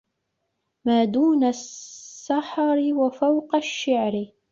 مَا دُونَ السَّحَرِ وَفَوْقَ الشِّعْرِ